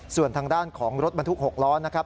ส่วนทางด้านของรถบรรทุก๖ล้อนะครับ